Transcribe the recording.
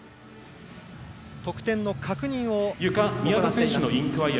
得点の確認を行っています。